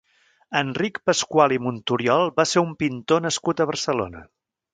Enric Pascual i Monturiol va ser un pintor nascut a Barcelona.